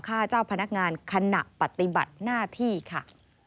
ฆ่าเจ้าพนักงานขณะปฏิบัติหน้าที่ค่ะ